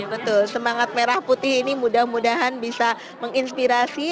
betul semangat merah putih ini mudah mudahan bisa menginspirasi